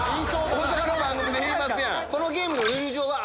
大阪の番組で言いますやん！